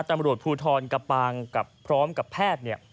ต่ำรวจภูทรกระปางพร้อมกับแพทนี่